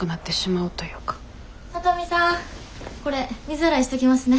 聡美さんこれ水洗いしときますね。